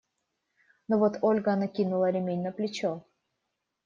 Но вот Ольга накинула ремень на плечо.